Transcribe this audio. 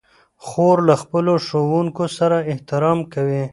خور له خپلو ښوونکو سره احترام کوي.